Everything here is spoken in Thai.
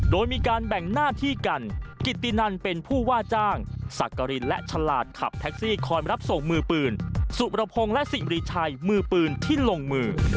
โดยมีการแบ่งหน้าที่กันกิตตินันเป็นผู้ว่าจ้างสักกรินและฉลาดขับแท็กซี่คอยรับส่งมือปืนสุประพงศ์และสิ่งบริชัยมือปืนที่ลงมือ